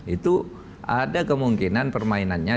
itu ada kemungkinan permainannya